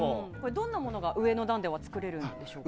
どんなものが上の段では作れるんでしょうか。